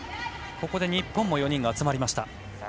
ここで日本も４人が集まりました。